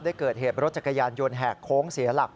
เกิดเหตุรถจักรยานยนต์แหกโค้งเสียหลัก